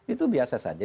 itu biasa saja